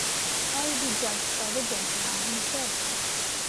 I’ll be judged by the gentleman himself.